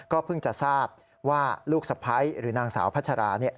เพิ่งจะทราบว่าลูกสะพ้ายหรือนางสาวพัชรา